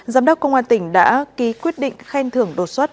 giám đốc công an tỉnh đã ký quyết định khen thưởng đột xuất